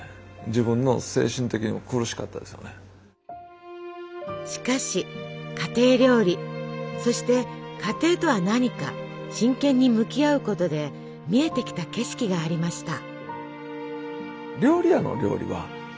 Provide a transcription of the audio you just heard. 自分のしかし家庭料理そして家庭とは何か真剣に向き合うことで見えてきた景色がありました。